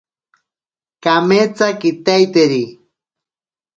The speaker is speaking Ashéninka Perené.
Kametsa kitaiteri.